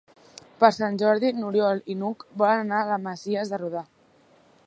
Per Sant Jordi n'Oriol i n'Hug volen anar a les Masies de Roda.